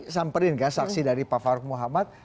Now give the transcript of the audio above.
samperin kan saksi dari pak faruk muhammad